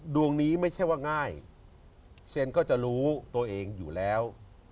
ดวงนี้ไม่ใช่ว่าง่ายเซ็นก็จะรู้ตัวเองอยู่แล้ว